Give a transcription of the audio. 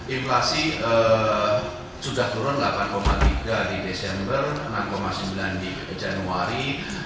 inflasi sudah turun delapan tiga di desember enam sembilan di januari